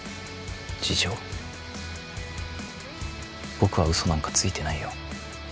僕はウソなんかついてないよ